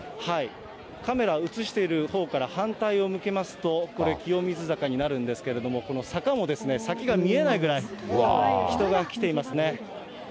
カメラ映しているほうから反対を向けますと、これ、清水坂になるんですけれども、この坂も先が見えないぐらい、人が来ていますね。